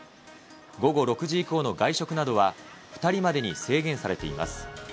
午後６時以降の外食などは、２人までに制限されています。